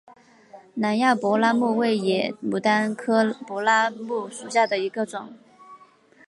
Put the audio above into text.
南亚柏拉木为野牡丹科柏拉木属下的一个种。